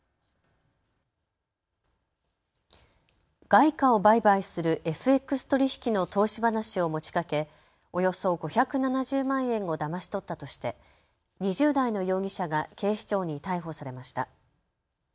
外貨を売買するＦＸ取引の投資話を持ちかけおよそ５７０万円をだまし取ったとして２０代の容疑者が警視庁に逮捕されました。